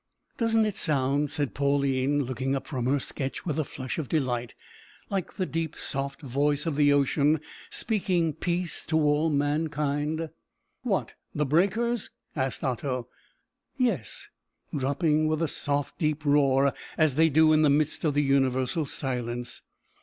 "Doesn't it sound," said Pauline, looking up from her sketch with a flush of delight, "like the deep soft voice of the ocean speaking peace to all mankind?" "What, the breakers?" asked Otto. "Yes, dropping with a soft deep roar as they do in the midst of the universal silence."